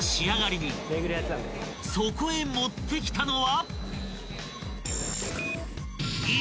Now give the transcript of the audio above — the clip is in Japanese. ［そこへ持ってきたのは］